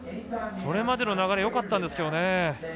それまでの流れはよかったんですけどね。